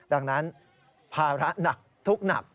ดังนั้นภาระหนักทุกข์หนัก